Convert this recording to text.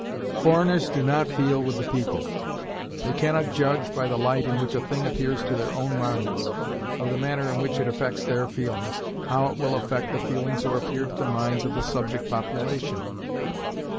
Foreigners do not feel with the people. They can not judge, by the light in which a thing appears to their own minds, or the manner in which it affects their feelings, how it will affect the feelings or appear to the minds of the subject population.